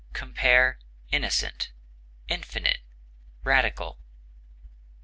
Compare INNOCENT; INFINITE; RADICAL.